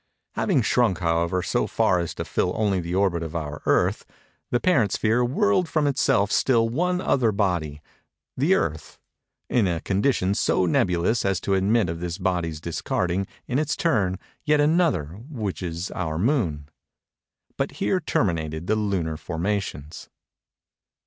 Having shrunk, however, so far as to fill only the orbit of our Earth, the parent sphere whirled from itself still one other body—the Earth—in a condition so nebulous as to admit of this body's discarding, in its turn, yet another, which is our Moon;—but here terminated the lunar formations.